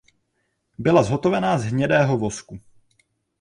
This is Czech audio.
Byla zhotovená z hnědého vosku.